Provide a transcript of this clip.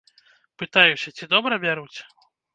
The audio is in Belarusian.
Пытаюся, ці добра бяруць?